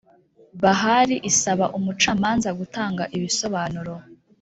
Bahari isaba umucamanza gutanga ibisobanuro